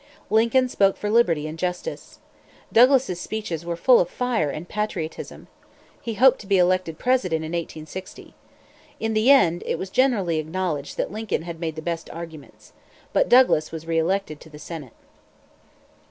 Lincoln spoke for liberty and justice. Douglas's speeches were full of fire and patriotism. He hoped to be elected President in 1860. In the end, it was generally acknowledged that Lincoln had made the best arguments. But Douglas was re elected to the Senate.